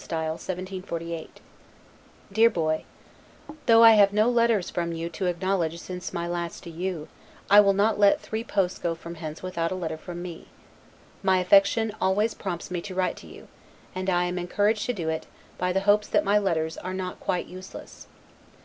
S. 1748 DEAR BOY: Though I have no letters from you to acknowledge since my last to you, I will not let three posts go from hence without a letter from me. My affection always prompts me to write to you; and I am encouraged to do it, by the hopes that my letters are not quite useless.